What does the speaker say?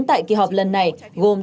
tại kỳ họp lần này gồm